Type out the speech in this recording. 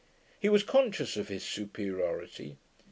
He was conscious of his superiority.